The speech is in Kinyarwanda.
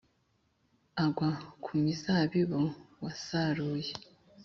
agwa ku mizabibu wasaruye